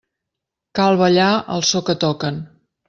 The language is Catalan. Cal ballar al so que toquen.